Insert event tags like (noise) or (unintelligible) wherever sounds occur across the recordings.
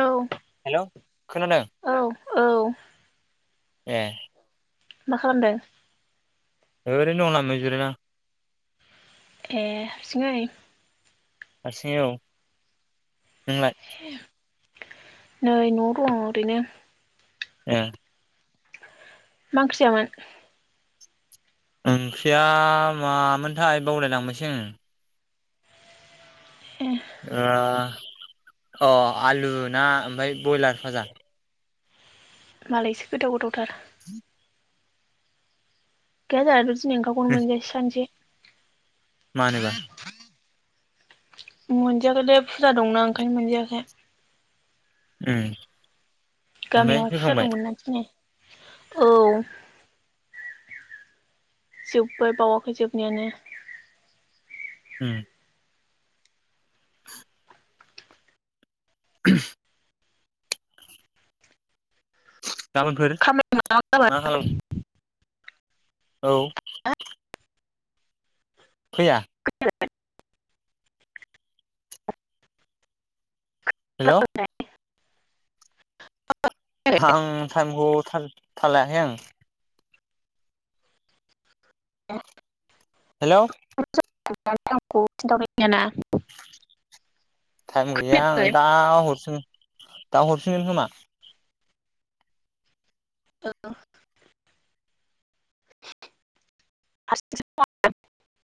औ हेलौ खोनादों? औ औ ए मा खालामदों? ओरैनो दं लामायाव जिरायना ए हारसिङै? हारसिंयै औ नोंलाय? नै न'आव दं ओरैनो ए मा ओंख्रि जायामोन? ओंख्रिया मामोनथाय बावलायलांबायसो आं ए ओ अ आलु ना ओमफ्राय ब्रयलार फाजा मालायसो गोथाव गोथावथार (inaudible) (unintelligible) दिनै ओंखामखौनो मोनजायासै सानसे मानोबा मोनजायाखैलै फुजा दंना ओंखायनो मोनजायाखै। उम। ओमफ्राय गामियावहाय फुजा फैखांबाय दंमोन ना दिनै। औ। जोब्बाय बावाखै जोबनायानो। उम। (unintelligible) गाबोनफोर खामानि मावा मा खालाम गाबोन औ। फैया हेलौ आं टाइमखौ थाल लायाखै आं। हेलौ (unintelligible) खिन्थाबायथायाना। टाइम गैया आं खोनायाखै दा हरफिन। दा हरफिनगोन खोमा। औ। (unintelligible)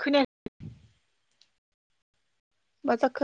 खोनायाख मा जाखो